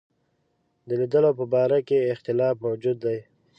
د لیدلو په باره کې اختلاف موجود دی.